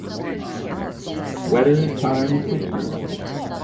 Wetter times returned.